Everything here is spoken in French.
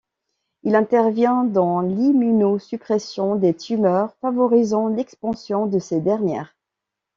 Il intervient dans l'immunosuppression des tumeurs, favorisant l'expansion de ces dernières.